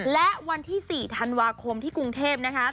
และวันที่๔ธันวาคมที่กรุงเทพนะคะ